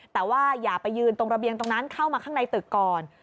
แต่ว่าอย่าไปยืนตรงระเบียงตรงนั้นเข้ามาข้างในตึกก่อน